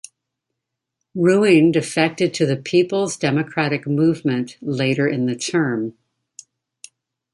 Ruing defected to the People's Democratic Movement later in the term.